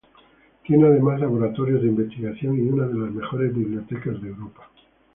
Tiene además laboratorios de investigación y una de las mejores bibliotecas de Europa.